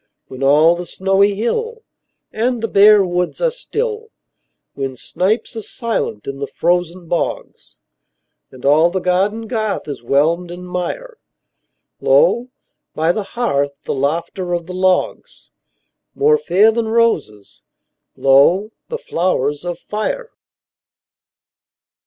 When all the snowy hill And the bare woods are still; When snipes are silent in the frozen bogs, And all the garden garth is whelmed in mire, Lo, by the hearth, the laughter of the logs— More fair than roses, lo, the flowers of fire!